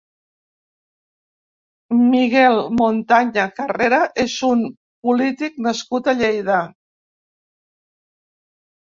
Miguel Montaña Carrera és un polític nascut a Lleida.